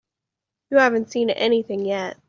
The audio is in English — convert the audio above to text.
You haven't seen anything yet.